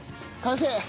完成！